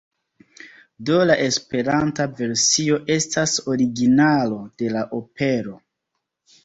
Do la Esperanta versio estas originalo de la opero.